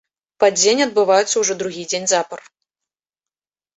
Падзенне адбываецца ўжо другі дзень запар.